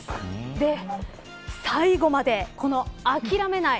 で、最後まで諦めない。